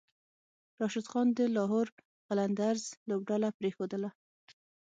راشد خان د لاهور قلندرز لوبډله پریښودله